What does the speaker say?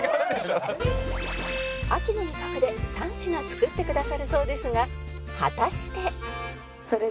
秋の味覚で３品作ってくださるそうですが果たして？